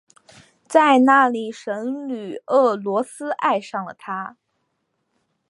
在那里神女俄诺斯爱上了他。